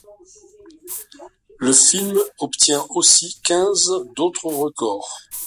Le film obtient aussi quinze d’autres records.